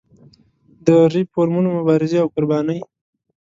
د ریفورمونو مبارزې او قربانۍ.